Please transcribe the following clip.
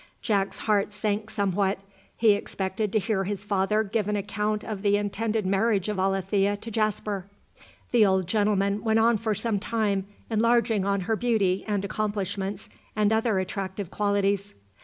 Jack's heart sank somewhat. He expected to hear his father give an account of the intended marriage of Alethea to Jasper. The old gentleman went on for some time enlarging on her beauty and accomplishments, and other attractive qualities.